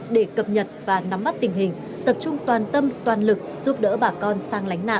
để cập nhật và nắm bắt tình hình tập trung toàn tâm toàn lực giúp đỡ bà con sang lánh nạn